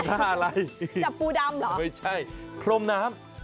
อะไรจับปูดำเหรอไม่ใช่พรมน้ำ